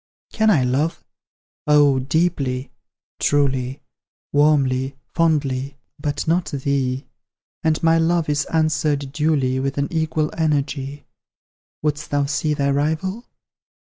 Can I love? Oh, deeply truly Warmly fondly but not thee; And my love is answered duly, With an equal energy. Wouldst thou see thy rival?